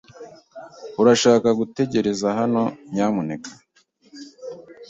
Urashaka gutegereza hano, nyamuneka?